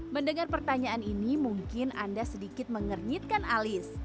mendengar pertanyaan ini mungkin anda sedikit mengernyitkan alis